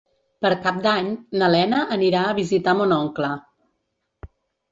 Per Cap d'Any na Lena anirà a visitar mon oncle.